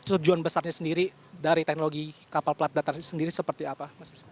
tujuan besarnya sendiri dari teknologi kapal plat datar sendiri seperti apa